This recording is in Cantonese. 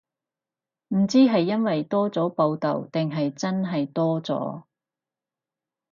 唔知係因為多咗報導定係真係多咗